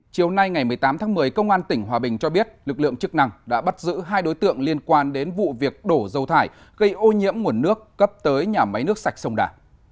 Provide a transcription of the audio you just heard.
chiều nay ngày một mươi tám tháng một mươi công an tỉnh hòa bình cho biết lực lượng chức năng đã bắt giữ hai đối tượng liên quan đến vụ việc đổ dầu thải gây ô nhiễm nguồn nước cấp tới nhà máy nước sạch sông đà